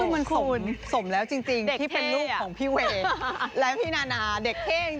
คือมันสมแล้วจริงที่เป็นลูกของพี่เวย์และพี่นานาเด็กเท่จริง